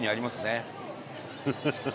ハハハ！